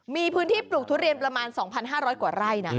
มีพื้นที่ปลูกทุเรียนประมาณ๒๕๐๐กว่าไร่นะ